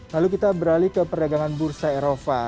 lalu kita beralih ke perdagangan bursa eropa